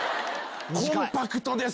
コンパクトです。